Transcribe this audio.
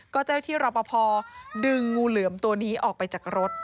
ก็เจ้าที่รอปภดึงงูเหลือมตัวนี้ออกไปจากรถ